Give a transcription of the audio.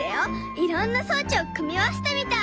いろんな装置を組み合わせてみた。